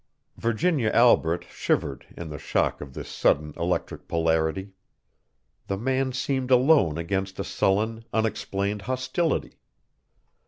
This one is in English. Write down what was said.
Virginia Albret shivered in the shock of this sudden electric polarity. The man seemed alone against a sullen, unexplained hostility.